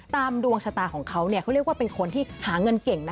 ดวงชะตาของเขาเขาเรียกว่าเป็นคนที่หาเงินเก่งนะ